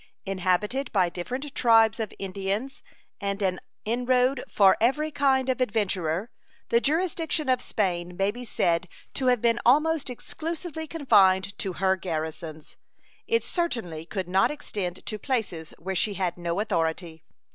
Inhabited by different tribes of Indians and an inroad for every kind of adventurer, the jurisdiction of Spain may be said to have been almost exclusively confined to her garrisons. It certainly could not extend to places where she had no authority.